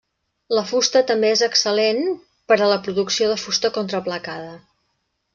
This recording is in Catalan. La fusta també és excel·lent per a la producció de fusta contraplacada.